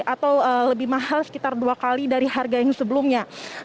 atau lebih mahal sekitar dua kali dari harga yang sebelumnya